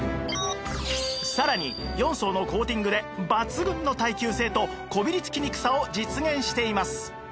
さらに４層のコーティングで抜群の耐久性とこびりつきにくさを実現しています